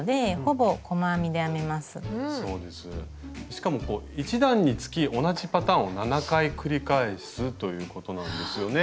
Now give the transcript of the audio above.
しかも１段につき同じパターンを７回繰り返すということなんですよね。